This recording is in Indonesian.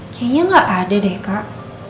kayaknya gak ada deh kak